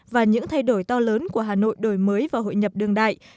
và những thay đổi to lớn của hà nội đổi mới vào hội nhập đương đại